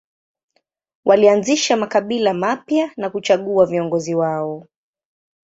Walianzisha makabila mapya na kuchagua viongozi wao.